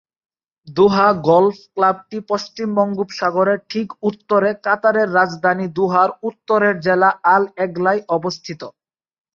দোহা golf ক্লাবটি পশ্চিম বঙ্গোপসাগরের ঠিক উত্তরে কাতারের রাজধানী দোহার উত্তরের জেলা আল এগলায় অবস্থিত।